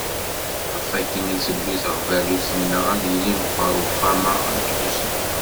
Ɣef wakken i d-tewwi teɣbalut-nneɣ, ad yili meqqer Uxxam-a n Tmussni.